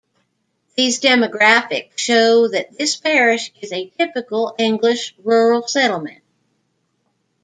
These demographics show that this parish is a typical English, rural settlement.